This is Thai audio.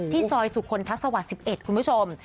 ที่ซอยสุขนครัสสวรรค์๑๑คุณผู้ชม